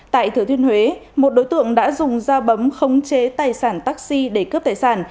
tại thứa thuyên huế một đối tượng đã dùng dao bấm không chế tài sản taxi để cướp tài sản